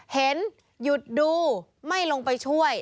หยุดดูไม่ลงไปช่วย